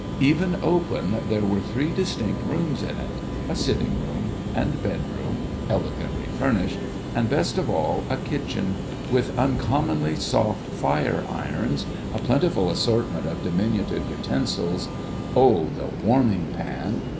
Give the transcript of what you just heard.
Even open, there were three distinct rooms in it : a sitting room and bed room, elegantly furnished, 6 A CHRISTMAS TREE and best of all, a kitchen, with uncommonly soft fire irons, a plentiful assortment of diminutive utensils^oh, the warming pan